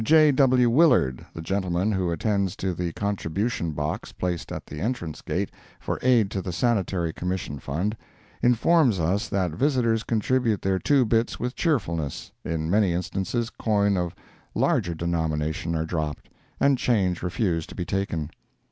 J. W. Willard, the gentleman who attends to the contribution box placed at the entrance gate, for aid to the Sanitary Commission Fund, informs us that visitors contribute their two bits with cheerfulness; in many instances coin of larger denomination are dropped, and change refused to be taken.